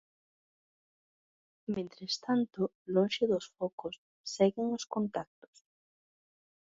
Mentres tanto, lonxe dos focos, seguen os contactos.